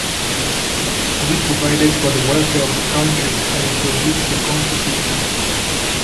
He provided for the welfare of the country and introduced the constitution.